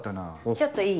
ちょっといい？